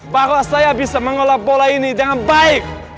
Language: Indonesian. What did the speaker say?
bahwa saya bisa mengelola pola ini dengan baik